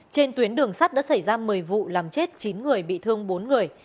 trên tuyến đường sắt đã xảy ra một mươi vụ làm chết chín người bị thương bốn người